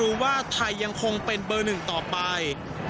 รู้ว่าทัยยังคงเป็นเบอร์๑ต่อไป